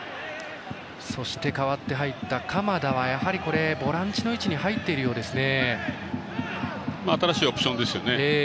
そして代わって入った鎌田はボランチの位置に入っているようですね。